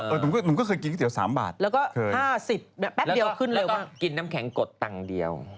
เออหนูก็เคยกินก๋วยเตี๋ยว๓บาทเคยแล้วก็๕๐แป๊บเดียวขึ้นเลยว่ากินน้ำแข็งกดตังค์เดียว